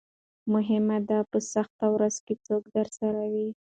مهمه ده په سخته ورځ څوک درسره وي.